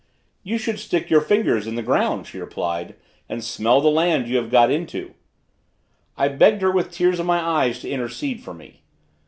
"You should stick your fingers in the ground," she replied, "and smell the land you have got into!" I begged her with tears in my eyes to intercede for me.